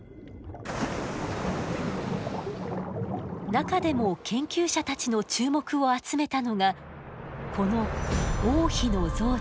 中でも研究者たちの注目を集めたのがこの王妃の像です。